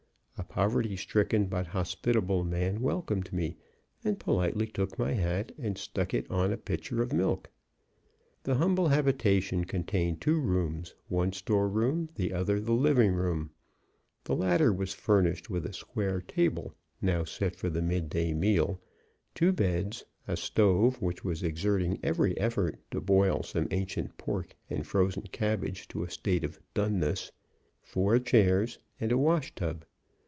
A poverty stricken but hospitable man welcomed me, and politely took my hat and stuck it on a pitcher of milk. The humble habitation contained two rooms, one store room, the other the living room. The latter was furnished with a square table, now set for the mid day meal, two beds, a stove which was exerting every effort to boil some ancient pork and frozen cabbage to a state of "doneness," four chairs, and a wash tub.